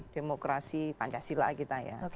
demokrasi pancasila kita